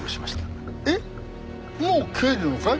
えっもう帰るのかい？